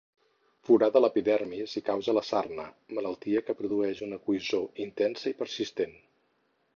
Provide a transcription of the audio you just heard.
Forada l'epidermis i causa la sarna, malaltia que produeix una coïssor intensa i persistent.